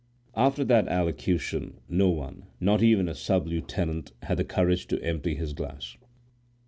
After that allocution, no one, not even a sub lieutenant, had the courage to empty his glass.